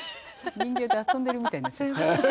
人形で遊んでるみたいになっちゃった。